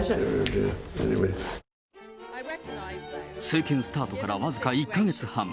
政権スタートから僅か１か月半。